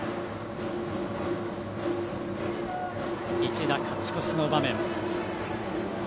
一打勝ち越しの場面。